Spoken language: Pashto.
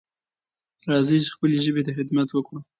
راځئ چې خپلې ژبې ته خدمت وکړو.